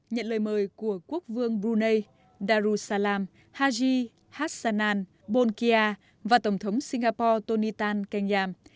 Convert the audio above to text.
nhận lời mời của quốc vương brunei darussalam haji hassanan bolkiah và tổng thống singapore tony tan kenyam